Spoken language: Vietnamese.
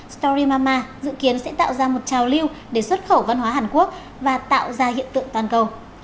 storymama dự kiến sẽ tạo ra một trào lưu để xuất khẩu văn hóa hàn quốc và tạo ra hiện tượng toàn cầu